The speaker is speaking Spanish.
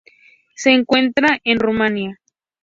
Se encuentra en Rumanía.